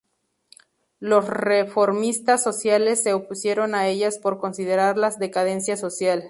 Los reformistas sociales se opusieron a ellas por considerarlas decadencia social.